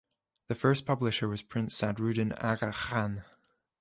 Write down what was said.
The first publisher was Prince Sadruddin Aga Khan.